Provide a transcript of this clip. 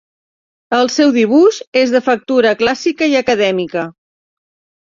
El seu dibuix és de factura clàssica i acadèmica.